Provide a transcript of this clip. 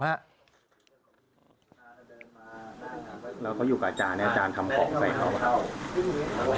แล้วเขาอยู่กับอาจารย์เนี่ยอาจารย์ทำของใส่เขา